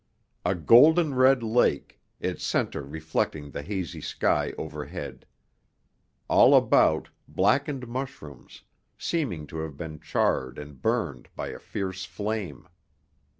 A golden red lake, its center reflecting the hazy sky overhead. All about, blackened mushrooms, seeming to have been charred and burned by a fierce flame.